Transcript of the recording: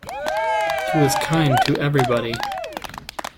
He was kind to everybody.